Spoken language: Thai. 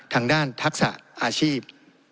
ทางด้านทักษะอาชีพ